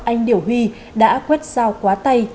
anh điểu huy đã quét dao quá tay